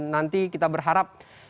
nanti kita berharap